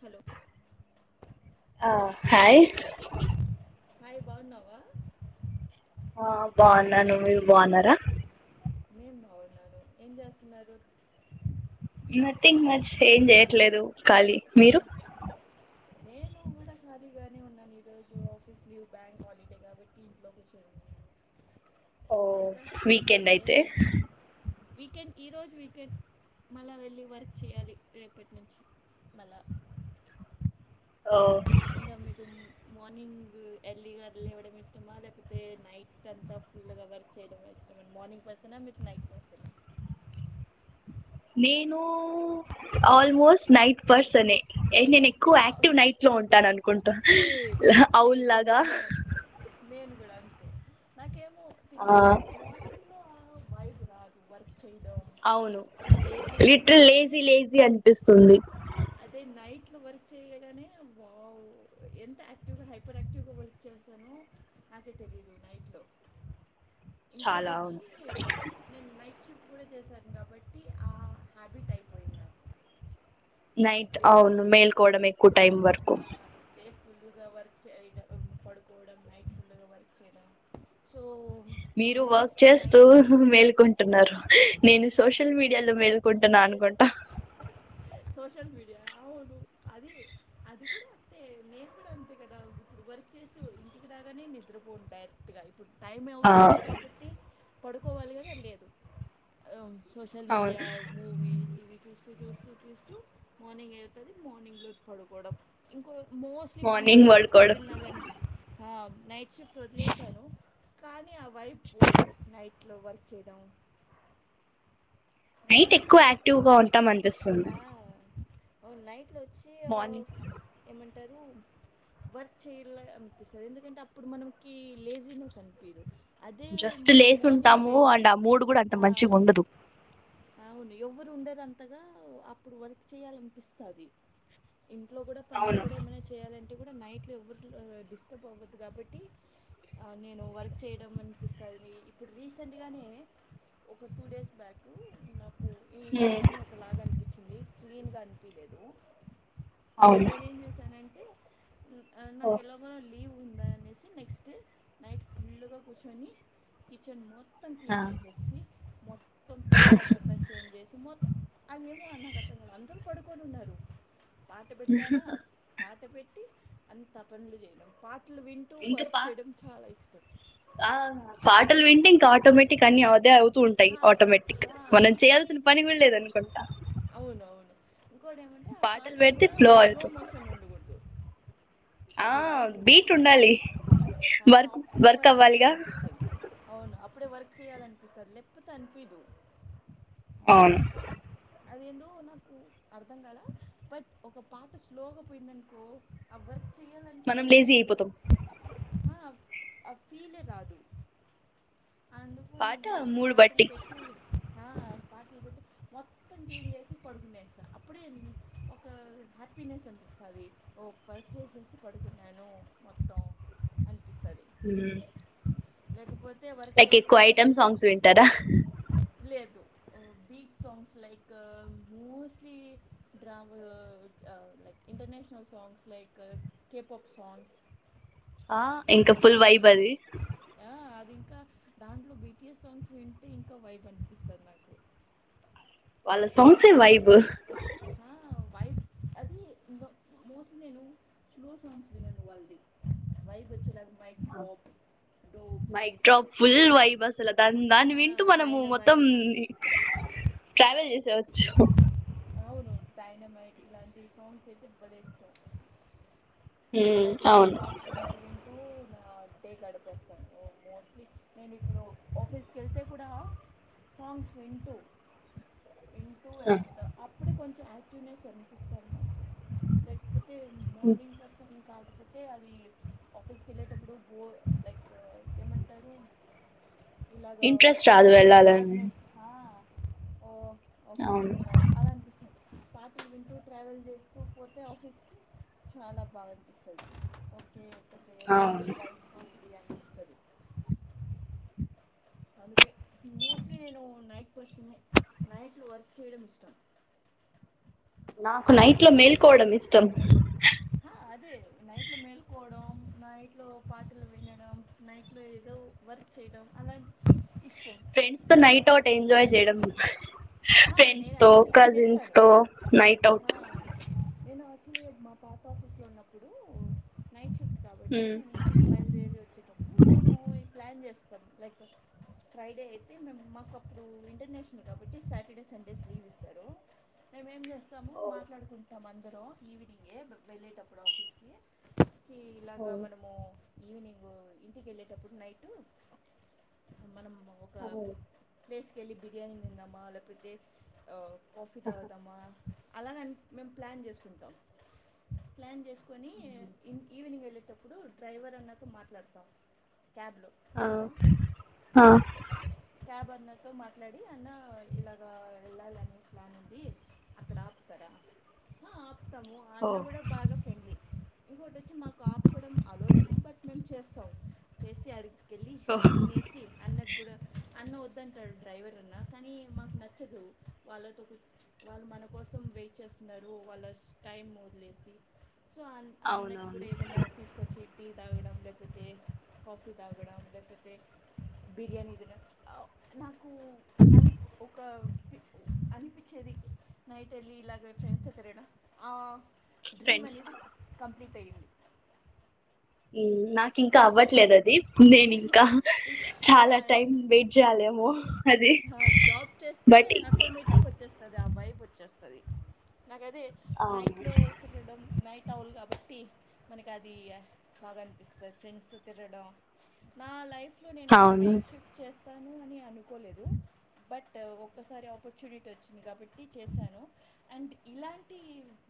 Hello ఆ hi hi బాగున్నావా ఆ బాగున్నాను మీరు బాగున్నారా నేం బాగున్నాను ఏం చేస్తున్నారు నథింగ్ మచ్ ఏం చేయట్లేదు ఖాళీ మీరు నేను ఖళీగానే ఉన్నాను, ఈ రోజు ఆఫీస్ లీవ్ బ్యాంక్ హాలిడేగాబట్టి ఇంట్లో కూచ ఉన్నాను, [unintelligible] ఓ ఇంకా వీకెండ్ ఏం అయితే చేస్తా వీకెండ్ ఈరోజు వీకెండ్ మళ వెళ్ళి వర్క్ చేయాలి రేపటి నుంచి, మళ్ల ఓ ఇంకా మీకు మార్నింగ్ ఎర్లీగా లేవడం ఇష్టమా లేకపోతే నైట్ అంతా, ఫుల్ గా వర్క్ చేయడం ఇష్టండి మార్నింగ్ పర్సన్, మీరు నైట్ పర్సన్, నేను ఆల్మోస్ట్ నైట్ పర్సన్ నేను ఎక్కువ వా యాక్టివ్ నైట్ లో ఉంటాను, అనుకుంటా సేమ్ సేమ్ అవుల్లాగా నేను అంతే నేను కూడా అంతే నాకేమో ఆ తెలీయదు మార్నింగ్లో ఆ వైబ్ రాదు వర్క్, చేయడం అవును ఒక లేజీనెస్గా లిటర్ల్ ఉంటుంది అది లేజీ లేజీ అనిపిస్తుంది. అదే నైట్ లో వర్క్ చేయగానే వావ్ ఎంత యాక్టివ్ గా హైపర్ యాక్టివ్ గా వర్క్ చే చేస్తాను నాకే తెలీదు నైట్ లో ఇంకోటి చాలా అవును వచ్చి నేను నైట్ చిప్ కూడా చేశాను కాబట్టి ఆ హ్యాబిట్ అయిపోయింది నాకు నైట్ డే అవును ఫుల్ మేల్కోవడం ఎక్కువ టైం వరకు ఆ డే ఫుల్గా వర్క్ చేయడం పడుకోవడం నైట్ ఫుల్గా వర్క్ చేయడం సో మీరు వర్క్ మోస్ట్లీ చేస్తూ నైట్ అవర్ మేల్కుంటున్నారు. నేను సోషల్ మీడియాలో మేల్కుొంటున్నా అనుకుంటా, సోషల్ మీడియా అవును అది, అది కూడా అంతే నేను కూడా అంతే కదా గు వర్క్ చేసి ఇంటికి రాగానే నిద్రపోండి డైరెక్ట్ గా ఇప్పుడు టైం ఆ అవుతుంది కాబట్టి పడుకోవాలి కదా లేదు సోషల్ అవును మీడియా మూవీస్ ఇవి చూసుకు చూస్తూ చూస్తూ మార్నింగ్ అయితది మార్నింగ్ లో పడుకోవడం ఇంకో మోస్ట్లీ ఇప్పుడు మార్నింగ్ నైట్ షిఫ్ట్ పడుకోవడం వదిలినా గానీ నైట్ షిఫ్ట్ వదిలేసాను, కానీ న వైపు పోలే నైట్ లో వర్క్ చేయడం, నైట్ ఎక్కువ యాక్టివ్ గా ఉంటాం అనిపిస్తుంది. ఒ నైట్ లో మార్నింగ్ ఉంటరు. వర్క్ చేయలా అనిపిస్తది ఎందుకంటే అప్పుడు మనకి లేజీినెస్ అనిపియదు, అదే జస్ట్ మనం లేసి మార్నింగ్ ఉంటాము లే అండ్ ఆ మూడ్ కూడా అంత ఆ మంచి ఉండదు. అవును ఎవ్వరు ఉండరు అంతగా అప్పుడు వర్క్ చేయాలనిపిస్తది. ఇంట్లో కూడా పనులు అవును కూడా ఏమైనా చేయాలంటే, కూడా నైట్లో ఎవరు డిస్టర్బ్ అవ్వద్దు కాబట్టి, ఆ నేను వర్క్ చేయడం అనిపిస్తది ఇప్పుడు రీసెంట్గానే, ఒక టూడేస్ బ్యాక్ కు ఈ హ్మ్. కిచెన్ ఒకలాగా అనిపించింది క్లీన్గా అనిపిలేదు. అవును నేను ఎం చేసానంటే, హ ఓ నాకు ఎలాగోలా లీవ్ ఉందనేసి నెక్స్ట్ డే నైట్ ఫుల్గా కూర్చొని కిచెన్ మొత్తం హా. క్లీన్ చేసేసి మొత్ మొత్తం పేపర్స్ అంతా చేంజ్జేసి మొత్తం అది ఏమో నాకార్ధంకాలే అందరూ పడుకొనినున్నారు. పాట పెట్టానా పాట పెట్టి అంత పనులు చేయడం పాట ఇంకా పా ఆ పాటలు వింటే ఇన్ ఆటోమేటిక్ అని అదే అవ్ తుంటాయ్ హా ఒక్- ఆటోమేటిక్గా హా, మనం అది చేయాల్సిన పని గుడా లేదనుకుంటా, ఇంకొటేమంటే ఆ పాటలు పాటల్ పెడితే గూడా ఫ్లో స్లో మోషన్ ఉండగూడదు. హ బిటుండాలి. ఆ అప్పుడే వర్క్ చేయాలనిపిస్తది అవును అప్పుడే వర్ చెయాలనిపిస్తది లేక్పోతే అనిపిదు అవును అదేందో నాకు అర్థంకల బట్ ఒక పాట స్లోగా పోయిందనుకో ఆవర్ మనం చేయలనిపినే లేజీ యదు అయిపోతాం హ ఆ ఫిలే రాదు అందుకు పాట నేను మోస్ట్లీ మూడు పాటలు బట్టి పెట్టి ఆ పాటల్ పెట్టి మొత్ తం క్లీన్ జేసీ పడుకునేస్ అప్పుడే ఒక హ్యాపీనెస్ అనిపిస్తాది ఓ వర్క్ జేసేసి పడుకున్నాను మొత్తం అం ఉ లేకపోతే వర్క్ చేయకపోతే అయ్యాయో సాంగ్స్ వింటారా లేదు ఓ బీట్సాంగ్స్ లైక్ మోస్ట్లి డ్రా వ్ ఆ వ్ like international songs like K-pop songs ఆ ఇంకా ఇంకోటి ఫుల్ వైబ్ వచ్చి అది ఆ, అది ఇంకా దాంట్లో బీటిఎస్ సాంగ్స్ వింటే ఇంకా వైబ్ అనిపిస్తది నాకు వాళ్ళ సాంగ్సే వైబు వైబ్ అది మో మోస్ట్లీ నేను స్లో సాంగ్స్ వినాను వాళ్ది వైబు [unintelligible] ఫుల్ వై అసల్ దాన్ దాన్ని వింటూ మనము మొత్తం డైనమైట్ ట్రావెల్ జేసేవచ్చు అవును డైనమెట్లాంటి సాంగ్స్ అయితే బలే ఇష్టమ్ ఉమ్ ఇలాంటివి ఒక అవును సాంగ్స్ వింటు వింటూ ఆ అట్టే గడపేస్తాను మోస్ట్లీ నేను ఇప్పుడు ఆఫీస్కి వెళ్తే కుడా సాంగ్స్ వింటు వింటూ వెళ్పోత అప్పుడే కొంచెం యాక్టివ్నెస్ అనిపిస్తది నాకు లైక్ మార్నింగ్ బస్ కాకపోతే అది ఆఫీస్కి వెళ్ళేటప్పుడు బోర్ లైక్ ఏమంటారు ఇలాగ ఇంట్రెస్ట్ రాదు వెళ్ళాలని సడ్నెస్ హ ఓ ఆఫీస్కి అవును వెళ్ళాల అలా అనిపిస్త పాటల్ వింటూ ట్రావెల్ జేస్తూపోతే ఆఫీస్ చాల బాగనిపిస్తది ఒకే ఒకటి ఏదో ఒకటి అవును వైబ్ ది అనిపిస్తది అందుకే మోస్ట్లీ నేను నైట్ పర్సన్ని నైట్లో వర్క్ చేయడం ఇష్టం నాకు నైట్ లో మేల్కోవడం ఇష్టం హా, అదే నైట్ లో మేల్కోవడం నైట్ లో పాటలు వినడం నైట్ లో ఏదో వర్క్ [unintelligible] చేటాం అల ఫ్రెండ్స్ తో నైట్ అవుట్ ఎంజాయ్ చేడం హా ఫ్రెండ్స్ నేను తో యాక్చువల్లీ కజిన్స్ చేశాను తో నైట్ ఆవుట్ యాక్చువలీ మా పాత ఆఫీస్లో ఉన్నప్పుడు నైట్ షిఫ్ కాబట్టి ఉమ్ నేను ఇంటికి బయలుదేరి వచ్చేటప్పుడు మేము ఈ ప్లాన్ చేస్ లైక్ ఫ్రైడే అయితే మే మాకు అప్పుడు ఇంటర్నేషనల్ కాబట్టి సాట డే సండేస్ లీవ్ ఇస్తారు మేమేం చేస్తాము ఓ మాట్లాడుకుంటాం అందరు ఈవినింగే వెళ్ళేటప్పుడు ఆఫీస్కి ఇలాగ మనము ఈవినింగు ఇంటికి వెళ్ళేటప్పుడు నైటు మనం అ ఒక ఓ ప్లేస్కి వెళ్ళి బిర్యానీ తిందామా లేకపోతే కాఫీ తాగుతామా అలాగని మేము ప్లాన్ చేసుకుంటాం ప్లాన్ చేసుకొని ఈవినింగ్ వెళ్ళేటప్పుడు డ్రైవర్ అన్నతో మాట్లాడతాం క్యాబ్లో ఆ హలో ఆ క్యాబ్ అన్నతో మాట్లాడి అన్న ఇలాగా వెళ్ళాలి అనేసి ప్లాన్ ఉంది అక్కడ ఆపుతారా ఆ ఆపుత తము ఆ ఓ అన్న కూడా బాగా ఫ్రెండ్లీ ఇంకోటి వచ్చి మాకు ఆపడం అలో లేదు బట్ మేము చేస్తాం చేసి అడిగి కెళ్ళి ఓ తినేసి అన్నకు కూడా అన్న వద్దంటాడు డ్రైవర్ అన్న కానీ మా నచ్చదు వాళ్ళతో మన కోసం వెయిట్ చేస్తున్నారు వాళ్ళ టైం వదిలే సి సో ఆ అన్నకు కూడా అవునవును ఏమున్నది తీసుకొచ్చి టీ తాగడం లే పోతే కాఫీ తాగడం లేక పోతే బిర్యానీ తినడం నాకు అని నాకు ఒక ఒక అనిపించేది నైట్ వెళ్ళి ఇలాగ ఫ్రెండ్స్ తో తిరగడం డ్రీమ్ ఫ్రెండ్స్ అనేది కంప్లీట్ అయ్యింది నాకు ఇంకా అవ్వట్లేదు అది నేను ఇంకా ఇంకా చాలా టైం వెయిట్ చేయాలేమో అది ఆ జాబ్ చేస్తే బట్ ఆటోమేటిక్ వచ్చేస్తది వైబ్ వచ్చేస్తది నాకైతే అవును నైట్లో తినడం నైట్ టౌలు కాబట్టి మనకి అది బాగా అనిపిస్తుంది ఫ్రెండ్స్తో తిరడం నా లైఫ్ లో నేను అవును నైట్ షిఫ్ట్ చేస్తా చేస్తాను అని అనుకోలేదు బట్ ఒక్కసారి ఆపర్చునిటీ వచ్చింది కాబట్టి ట్టి చేశాను అండ్ ఇలాంటి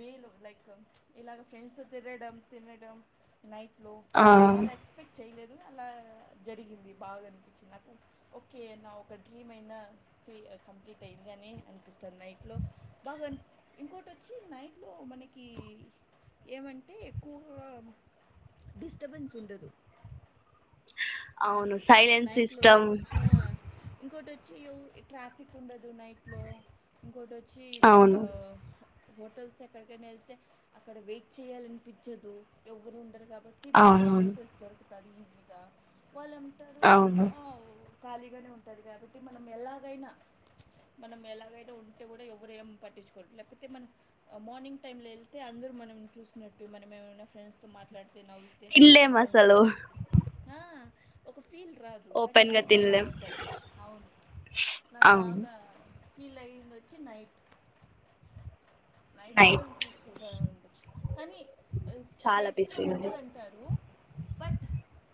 వేలో లైక్ ఇలాగ ఫ్రెండ్స్తో తిరగడం తినడం నైట్లో ఆ అలా ఎక్స్పెక్ట్ చేయలేదు అలా జరిగింది బాగానిపించింది నాకు ఓకే నా ఒక డ్రీమ్ అయినా ఫ కంప్లీట్ అయింది అని అనిపిస్తుంది నైట్లో బాగా ఇంకోటి వచ్చి నైట్లో మనకి ఏమంటే ఎక్కువగా డిస్టబెన్స్ ఉండదు అవును సైలెంట్ నైట్లో సిస్టమ్ ఆ ఇంకోటి వచ్చి ట్రాఫిక్ ఉండదు నైట్లో ఇంకోటి వచ్చి అవును హోటల్స్ ఎక్కడికైనా వెళ్తే అక్కడ వెయిట్ చెయాలనిపించదు ఎవరు ఉండరు కాబ బట్టి మనకి అవునవును ప్లేసెస్ దొరుకుతాది ఈజీగా వాళ్ళం అవును ఖాళీగానే ఉంటది కాబట్టి మనం ఎలాగైనా మనం ఎలాగైనా ఉంటే కూడా ఎవ్వరేం పట్టించుకోరుు లేకపోతే మనం మార్నింగ్ టైమ్ లో వెళ్తే అందరు మనం చూసినట్టు మనం ఏమన్న ఫ్రెడ్స్ తో మాట్లాడు నవ్వితే తినలేం అసలు బలెగుంటది ఆ.... ఒక ఫీల్ రాదు బట్ ఓపెన్ గా నైట్లో తినలేం బాగుంటుంది అవును నాకు అవును బాగా ఫీల్ అయ్యంది వచ్చి నైట్ నైట్ లో మనం పీస్ఫుల్గా ఉండొచ్చు కానీ చాలా సేఫ్టీ పీస్ఫుల్ ఉంది ఉండదంటారు బట్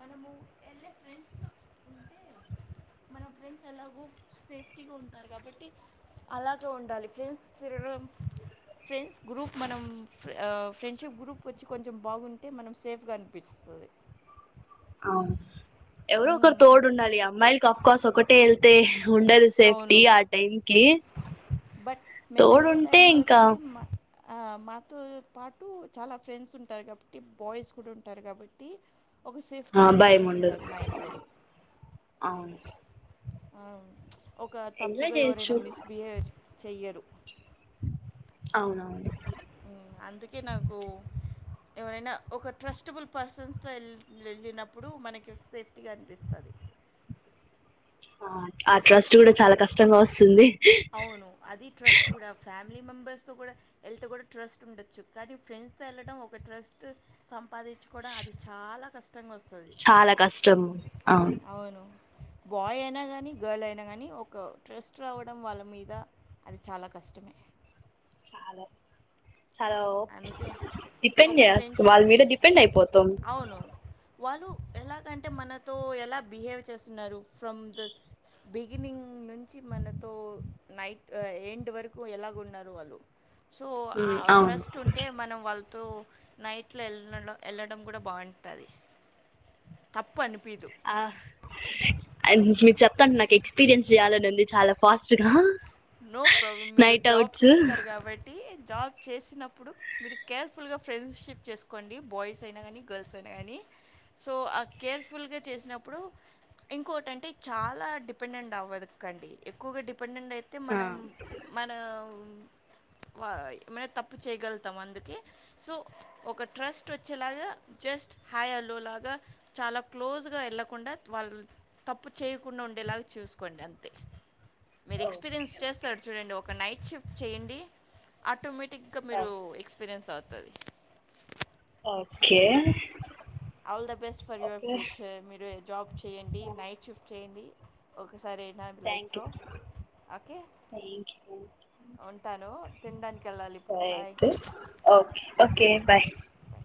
మనము వెళ్ళే ఫ్రెండ్స్తో ఉంటే మన ఫ్రెండ్స్ ఎలాగో సేఫ్టీగా ఉంటారు కాబట్టి అలాగ ఉండాలి ఫ్రెండ్స్ త రూం ఫ్రెండ్స్ గ్రూప్ మనం ఫ్రెండ్షిప్ గ్రూప్ వచ్చి కొంచెం బాగుంటే మనం సేఫ్ గా అనిపిస్తుంది స్తది అవును ఎవరో ఒకరు తోడుండాలి అమ్మాయిలకి అఫ్ కోర్స్ ఒకటే వెళ్తే ఉండదు సేఫ్టీ అవును ఆ టైం కి బట్ మేము వెళ్ళే తోడుంటే టైంలో ఇంకా వచ్చి మాతో పాటు చాలా ఫ్రెండ్స్ ఉంటారు కాబట్టి బాయ్స్ కూడా ఉంటారు కాబట్టి ఒక ఆ, సేఫ్టీనెస్ భయం ఉండదు అనిపిస్తది నైట్ లో అవును ఒక ఎంజాయ్ తప్పుగా ఎవరైనా చేయొచ్చు మిస్బిహేవ్ చెయ్యరు అవునవును అందుకే నాకు ఎవరైనా ఒక ట్రస్టబుల్ పర్సన్స్ తో ఎల్లి ఎళ్లినప్పుడు మనకి సేఫ్టీగా అనిపిస్తది. ఆ ఆ ట్రస్ట్ కూడా చాలా కష్టంగా వస్తుంది. అవును అది ట్రస్ట్ కూడా ఫ్యామిలీ మెంబెర్స్ తో కూడా ఎల్తే కూడా ట్రస్ట్ ఉండొచ్చు, కానీ ఫ్రెండ్స్ తో ఎళ్లడం ఒక ట్రస్ట్ సం పాదించుకోడం అది చాలా కష్టంగా వస్తది. చాలా కష్టం అవును బాయ్ అయినా గానీ గర్ల్ అయినా గానీ ఒక ట్రస్ట్ రావట్ తటం వాళ్ల మీద అది చాలా కష్టమే. [unintelligible] హలో అందుకే డిపెండ్ ఒక చెయ ఫ్రెండ్షిప్ వాళ్ల మీద డిపెండ్ అయిపోతం. వాల్లు ఎలాగంటే మనతో ఎలా బిహేవ్ చేస్తున్నారు ఫ్రమ్ ద బిగినింగ్ నుం నుంచి మనతో నైట్ ఎండ్ వరకు ఎలాగ ఉన్నారు వాళ్లు, సో ఉమ్ అవును ట్టుంటే మనం వ వాలతో నైట్ లో ఎల్లడ ఎళ్లడం కూడా బావుంటంది. ఆహ్ అండ్ మీరు చెప్తాంటె నాకు ఎక్స్పీరియన్స్ చేయాలని ఉంది చాలా ఫాస్ట్ గా. నో ప్రాబ్లం మీరు నైట్ జాబ్ అవుట్స్ చేస్తారు కాబట్టీ, జాబ్ చేసినప్పుడు మీరు కేర్ఫుల్ గా ఫ్రెండ్షిప్ చేసుకోండి బాయ్స్ అయినా గానీ గర్ల్స్ అయినా గానీ. సో ఆ కేర్ఫుల్ గా చేసినప్పుడు ఇంకోటంటే చాలా డిపెండెంట్ అవ్వడ కండి ఎక్కువగా డిపెండెంట్ అయితే ఆ మనం మన ఏమైనా తప్పు చేయగలుతాం అందుకే సో ఒక ట్రస్ట్ వచ్చేలాగా జస్ హాయ్ హలో లాగా చాలా క్లోజ్ గా ఎళ్లకుండా వాళ్ళు తప్పు చేయకుండా ఉండేలాగ చూస్కోండి అంతే. మీరు ఓకే ఎక్స్పీరియన్స్ ఓకే చేస్తారు చూడండి ఒక నైట్ షిఫ్ట్ చేయండి అటోమేట్ టిగ్గా మీరు ఎక్స్పీరియన్స్ అవుతారు. Okay all the best for your okay future మీరు జాబ్ చేయండి నైట్ షిఫ్ట్ చేయండి ఓ కసారి అయినా లైఫ్ థ్యాంక్ యూ లో ఓకే. థ్యాంక్ యూ ఉంటాను తినడానికెళ్లాలి ఇప్పుడు సరే బాయ్. అయితే ఓకే ఓకే బాయ్ బాయ్.